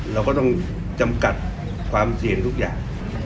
เราก็ต้องจำกัดความเสี่ยงทุกอย่าง